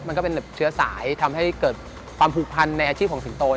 มันก็เป็นแบบเชื้อสายทำให้เกิดความผูกพันในอาชีพของสิงโต